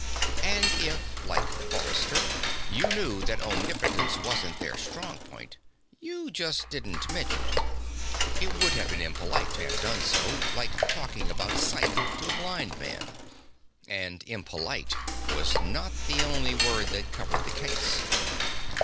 And if, like Forrester, you knew that omnipotence wasn't their strong point, you just didn't mention it. It would have been impolite to have done so like talking about sight to a blind man. And "impolite" was not the only word that covered the case.